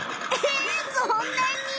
えそんなに！